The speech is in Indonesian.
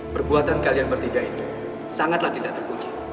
perbuatan kalian bertiga ini sangatlah tidak terbunuh